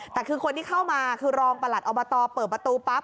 แต่คือคนที่เข้ามาคือรองประหลัดอบตเปิดประตูปั๊บ